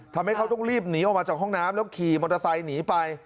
ทำให้เขาต้องรีบหนีออกมาจากห้องน้ำแล้วขี่มอเตอร์ไซค์หนีไป